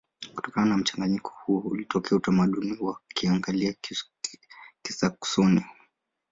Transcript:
Kutokana na mchanganyiko huo ulitokea utamaduni wa Kianglia-Kisaksoni.